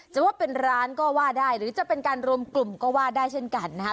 จะว่าเป็นร้านก็ว่าได้หรือจะเป็นการรวมกลุ่มก็ว่าได้เช่นกันนะฮะ